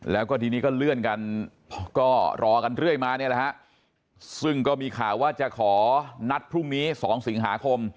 แล้วก็ทีนี้ก็เลื่อนกันก็รอกันเรื่อยมาเนี่ยแหละฮะซึ่งก็มีข่าวว่าจะขอนัดพรุ่งนี้๒สิงหาคม